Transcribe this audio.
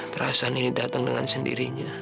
perasaan ini datang dengan sendirinya